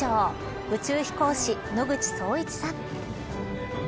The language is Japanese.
宇宙飛行士、野口聡一さん。